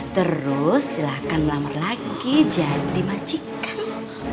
terus silahkan lama lagi jadi majikan